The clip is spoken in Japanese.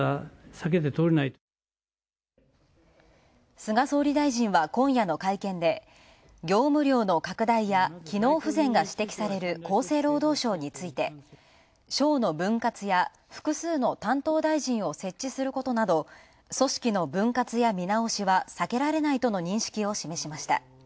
菅総理大臣は今夜の会見で、業務量の拡大や機能不全が指摘される厚生労働省について省の分割や複数の担当大臣を設置することなど組織の分割や見直しは避けられないとの認識を示しました。